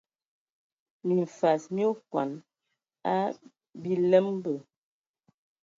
Mimfas mi okɔn a biləmbə.